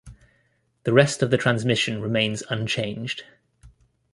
The rest of the transmission remains unchanged.